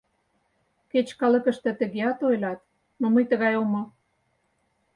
Кеч калыкыште тыгеат ойлат, но мый тыгай омыл.